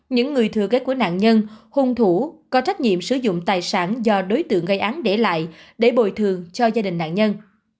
những người thừa kế của nạn nhân hung thủ có trách nhiệm sử dụng tài sản do đối tượng gây án để lại để bồi thường cho gia đình nạn nhân